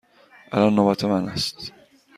الان نوبت من است.